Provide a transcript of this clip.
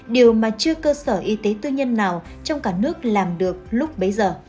điều mà chưa cơ sở y tế tư nhân nào trong cả nước làm được lúc bấy giờ